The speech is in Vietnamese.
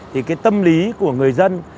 thì cái tâm lý của người dân